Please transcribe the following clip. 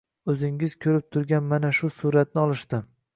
Oʻzingiz kurib turgan mana shu suratni olishdi